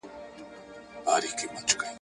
بازاري توکی جوړ کړی وو